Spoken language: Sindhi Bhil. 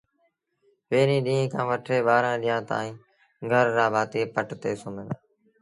پيريݩ ڏيݩهݩ کآݩ وٺي ٻآرآݩ ڏيݩهآݩ تائيٚݩ گھر رآ ڀآتيٚ پٽ تي سُوميݩ دآ